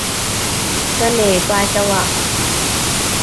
เสน่ห์ปลายจวัก